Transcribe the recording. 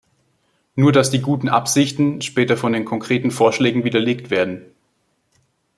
Nur dass die guten Absichten später von den konkreten Vorschlägen widerlegt werden.